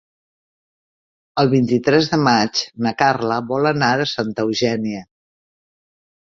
El vint-i-tres de maig na Carla vol anar a Santa Eugènia.